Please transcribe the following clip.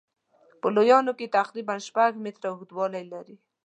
په لویانو کې تقریبا شپږ متره اوږدوالی لري.